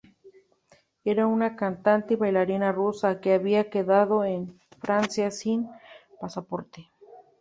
Era una cantante y bailarina rusa que había quedado en Francia sin pasaporte.